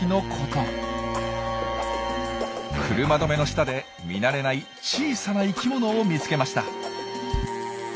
車止めの下で見慣れない小さな生きものを見つけました。